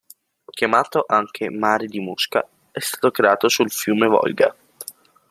Chiamato anche mare di Mosca, è stato creato sul fiume Volga.